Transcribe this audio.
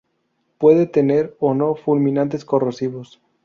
Puede tener o no fulminantes corrosivos.